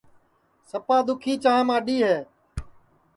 سپا دُؔکھی چاں ماڈؔی ہے